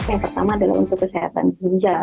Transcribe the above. yang pertama adalah untuk kesehatan ginjal